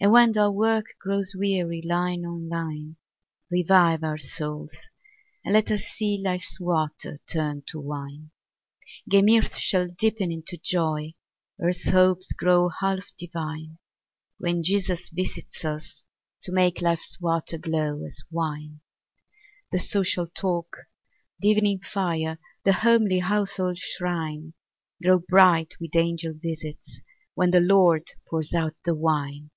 and when dull work Grows weary, line on line, Revive our souls, and let us see Life's water turned to wine. Gay mirth shall deepen into joy, Earth's hopes grow half divine, When Jesus visits us, to make Life's water glow as wine. The social talk, the evening fire, The homely household shrine, Grow bright with angel visits, when The Lord pours out the wine.